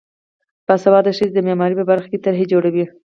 باسواده ښځې د معماری په برخه کې طرحې جوړوي.